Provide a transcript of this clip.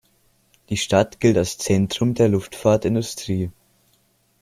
Die Stadt gilt als Zentrum der Luftfahrtindustrie.